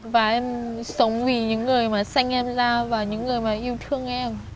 và em sống vì những người mà xanh em ra và những người mà yêu thương em